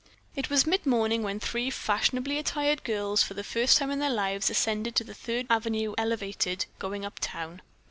It was midmorning when three fashionably attired girls for the first time in their lives ascended to the Third Avenue Elevated, going uptown.